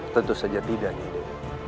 tentu saja tidak gede